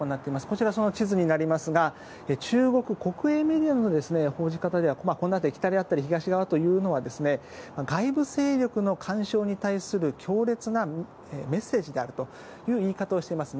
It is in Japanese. こちら、その地図になりますが中国国営メディアの報じ方では北であったり東であったりというのは外部勢力の干渉に対する強烈なメッセージであるという言い方をしています。